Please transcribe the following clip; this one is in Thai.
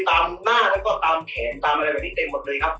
ตามหน้าแล้วก็ตามแขนตามอะไรแบบนี้เต็มหมดเลยครับ